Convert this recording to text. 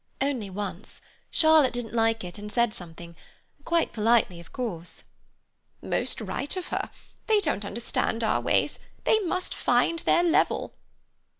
"Only once. Charlotte didn't like it, and said something—quite politely, of course." "Most right of her. They don't understand our ways. They must find their level." Mr.